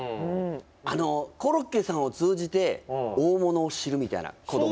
あのコロッケさんを通じて大物を知るみたいなことも。